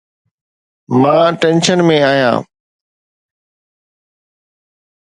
مان ٽينشن ۾ آهيان